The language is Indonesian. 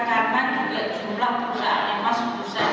karena juga jumlah perusahaan yang masuk perusahaan